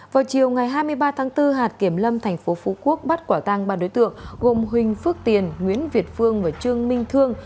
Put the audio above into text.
vào chiều ngày hai mươi ba tháng bốn hạt kiểm lâm tp phú quốc bắt quả tăng ba đối tượng gồm huỳnh phước tiền nguyễn việt phương và trương minh thương